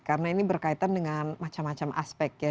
karena ini berkaitan dengan macam macam aspek ya